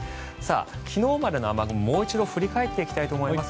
昨日までの雨雲、もう一度振り返ってみたいと思います。